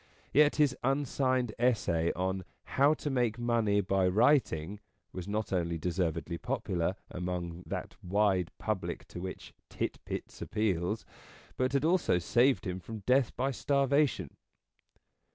Yet his unsigned essay on " How to make money by writing " was not only deservedly popular among that wide public to which " Tit Bits " appeals, but had also saved him from death by starvation.